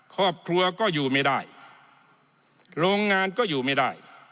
ครอบครัวก็อยู่ไม่ได้โรงงานก็อยู่ไม่ได้